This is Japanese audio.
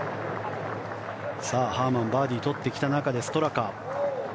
ハーマンバーディーを取ってきた中でストラカ。